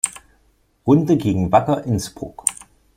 Runde gegen Wacker Innsbruck.